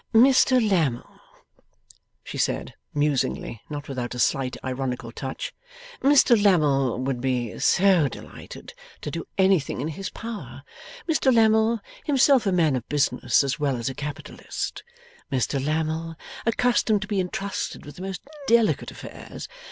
'Mr Lammle,' she said, musingly: not without a slight ironical touch: 'Mr Lammle would be so delighted to do anything in his power. Mr Lammle, himself a man of business as well as a capitalist. Mr Lammle, accustomed to be intrusted with the most delicate affairs.